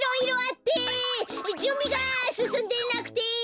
じゅんびがすすんでなくて！